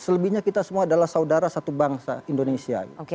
selebihnya kita semua adalah saudara satu bangsa indonesia